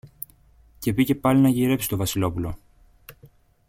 Και πήγε πάλι να γυρέψει το Βασιλόπουλο.